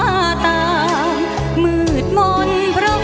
โปรดติดตามตอนต่อไป